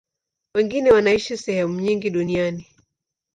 Wengine wanaishi sehemu nyingi duniani.